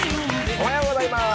おはようございます。